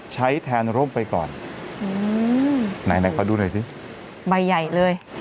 ใช้แทนร่มไปก่อนอืมไหนไหนขอดูหน่อยสิใบใหญ่เลย